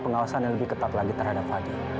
pengawasan yang lebih ketat lagi terhadap haji